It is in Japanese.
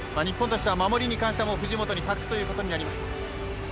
日本としては守りに関しては藤本に託すということになりました。